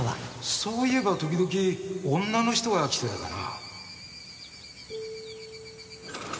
そういえば時々女の人が来てたかな。